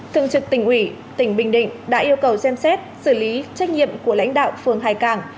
thương trực tỉnh ủy tỉnh bình định đã yêu cầu xem xét xử lý trách nhiệm của lãnh đạo phường hải cảng